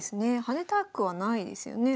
跳ねたくはないですよね。